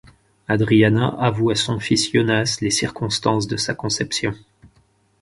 Adriana avoue à son fils, Yonas, les circonstances de sa conception.